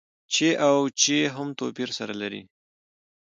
چې او چي هم توپير سره لري.